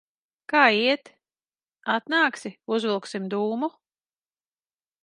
Kā iet? Atnāksi, uzvilksim dūmu?